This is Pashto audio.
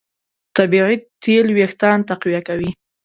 طبیعي تېل وېښتيان تقویه کوي.